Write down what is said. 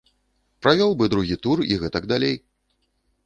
Правёў бы другі тур і гэтак далей.